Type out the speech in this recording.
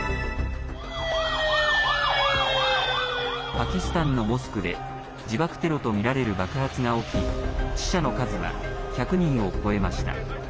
パキスタンのモスクで自爆テロとみられる爆発が起き死者の数は１００人を超えました。